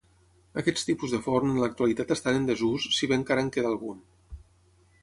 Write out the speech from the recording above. Aquests tipus de forn en l'actualitat estan en desús si bé encara en queda algun.